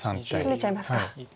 ツメちゃいますか。